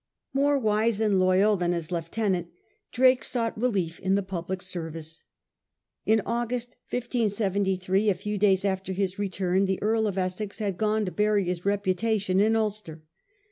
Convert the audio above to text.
More wise and loyal than his lieutenant, Drake sought relief in the public service. In August, 1573, a few days after his return, the Earl of Essex had gone to bury his reputation in Ulster.